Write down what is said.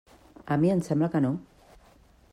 A mi em sembla que no.